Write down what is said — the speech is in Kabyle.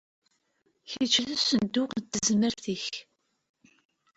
Kečč d usenduq n tezmert-ik!